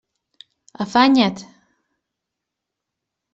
Afanya't!